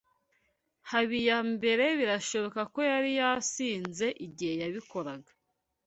Habiyambere birashoboka ko yari yasinze igihe yabikoraga.